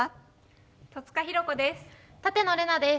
戸塚寛子です。